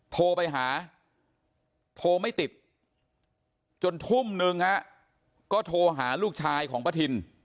โทรไปหาโทรไม่ติดจนทุ่มนึงฮะก็โทรหาลูกชายของป้าทิน